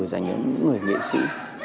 giữa những người nghệ sĩ